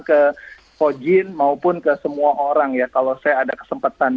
saya sering bilang ke hojin maupun ke semua orang ya kalau saya ada kesempatan